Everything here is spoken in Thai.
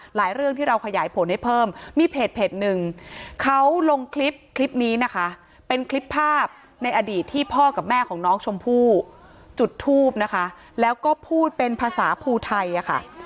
เรื่องที่เราขยายผลให้เพิ่มมีเพจหนึ่งเขาลงคลิปคลิปนี้นะคะเป็นคลิปภาพในอดีตที่พ่อกับแม่ของน้องชมพู่จุดทูบนะคะแล้วก็พูดเป็นภาษาภูไทยอะค่ะ